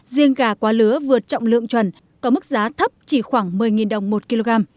riêng gà quá lứa vượt trọng lượng chuẩn có mức giá thấp chỉ khoảng một mươi đồng một kg